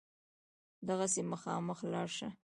دغسې مخامخ لاړ شه.